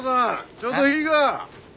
ちょっといいが？